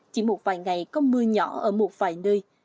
chỉ một vài ngày có mưa nhỏ ở một vài nơi